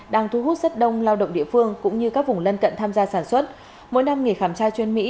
đang thu hút rất đông lao động địa phương cũng như các vùng lân cận tham gia sản xuất mỗi năm nghề khảm tra chuyên mỹ